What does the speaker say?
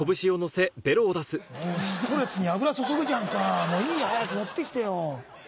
ストレスに油注ぐじゃんかもういい早く持って来てよ。